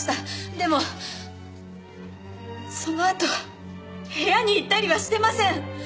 でもそのあと部屋に行ったりはしてません。